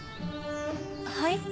はい？